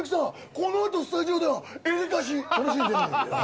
この後スタジオでは、エレカシ、楽しんでね！